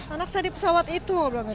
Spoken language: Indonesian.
anak saya di pesawat itu